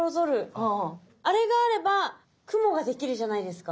あれがあれば雲ができるじゃないですか。